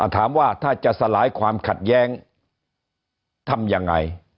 ถามว่าถ้าจะสลายความขัดแย้งทำยังไง